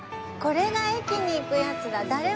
これが駅に行くやつだ。